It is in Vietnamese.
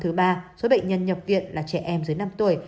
trong làn sóng thứ ba số bệnh nhân nhập viện là trẻ em dưới năm tuổi